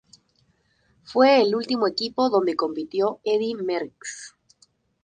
Fue el último equipo donde compitió Eddy Merckx.